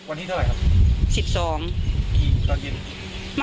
วันที่เท่าไหร่ครับ